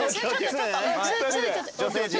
女性陣の？